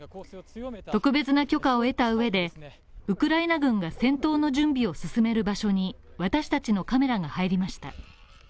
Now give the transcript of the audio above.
特別な許可を得た上で、ウクライナ軍が戦闘の準備を進める場所に私達のカメラが入りました。